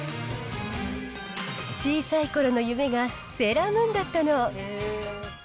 小さいころの夢がセーラームーンだったの。